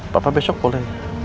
papa besok boleh